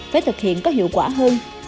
phải thực hiện có hiệu quả hơn